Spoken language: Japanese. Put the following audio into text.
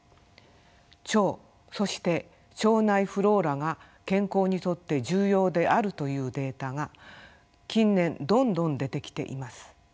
腸そして腸内フローラが健康にとって重要であるというデータが近年どんどん出てきています。